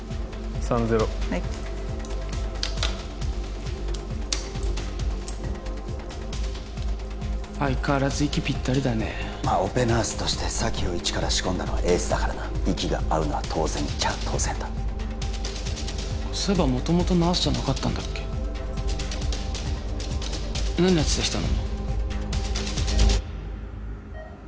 ３−０はい相変わらず息ピッタリだねまあオペナースとして沙姫を一から仕込んだのはエースだからな息が合うのは当然っちゃ当然だそういえば元々ナースじゃなかったんだっけ何やってた人なの？